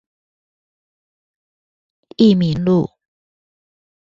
益民路